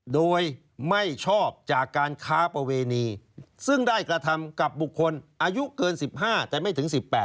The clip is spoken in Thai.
โดยไม่ชอบจากการค้าประเวณีซึ่งได้กระทำกับบุคคลอายุเกิน๑๕แต่ไม่ถึง๑๘